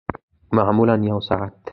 معمولاً یوه ساعت